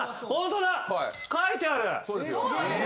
書いてある。